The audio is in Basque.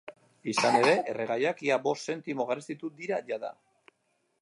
Izan ere, erregaiak ia bost zentimo garestitu dira jada.